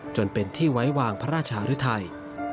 จนเป็นที่ไว้วางพระราชหรือไทย